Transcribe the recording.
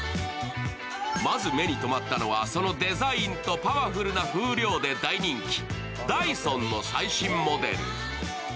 まず目に止まったのは、そのデザインとパワフルな風量で大人気、ダイソンの最新モデル。